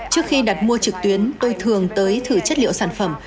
trước khi đặt mua trực tuyến tôi thường tới thử chất liệu sản phẩm